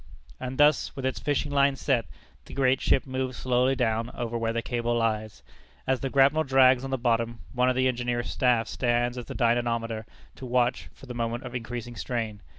And thus, with its fishing line set, the great ship moves slowly down over where the cable lies. As the grapnel drags on the bottom, one of the engineer's staff stands at the dynamometer to watch for the moment of increasing strain.